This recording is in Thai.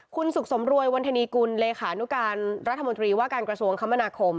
คุณสุขสมรวยวันธนีกุลเลขานุการรัฐมนตรีว่าการกระทรวงคมนาคม